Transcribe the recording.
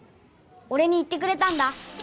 俺に言ってくれたんだ。